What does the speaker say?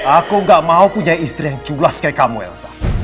aku gak mau punya istri yang cublas kayak kamu elsa